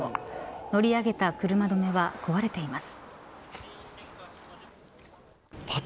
乗り上げた車止めは壊れています。